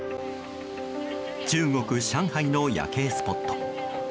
中国・上海の夜景スポット。